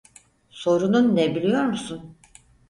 Sorunun ne biliyor musun?